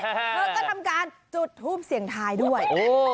เธอก็ทำการจุดทูปเสียงทายด้วย